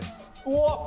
うわっ！